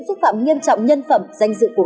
xúc phạm nghiêm trọng nhân phẩm danh dự của